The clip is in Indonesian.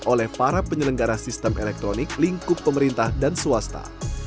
oleh para penyelenggara sistem elektronik lingkup pemerintah dan swasta